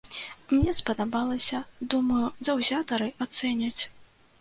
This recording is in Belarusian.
Мне спадабалася, думаю, заўзятары ацэняць.